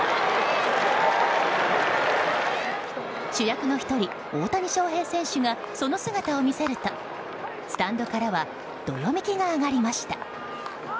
主役の１人、大谷翔平選手がその姿を見せるとスタンドからはどよめきが上がりました。